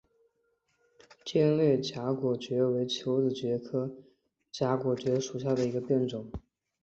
尖裂荚果蕨为球子蕨科荚果蕨属下的一个变种。